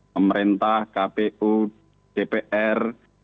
pemerintah kpu dpr